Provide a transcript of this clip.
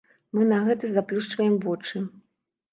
Мы на гэта заплюшчваем вочы.